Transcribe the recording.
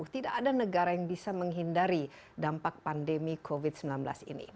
tidak ada negara yang bisa menghindari dampak pandemi covid sembilan belas ini